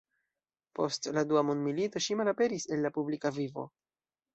Post la dua mondmilito ŝi malaperis el la publika vivo.